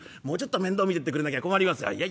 もうちょっと面倒見てってくれなきゃ困りますよ！」。